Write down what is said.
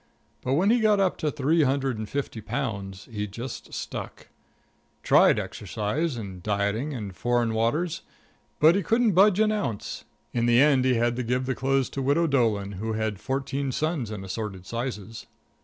But when he got up to three hundred and fifty pounds he just stuck. Tried exercise and dieting and foreign waters, but he couldn't budge an ounce. In the end he had to give the clothes to the Widow Doolan, who had fourteen sons in assorted sizes.